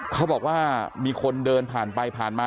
เขาบอกว่ามีคนเดินผ่านไปผ่านมา